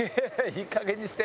いいかげんにして。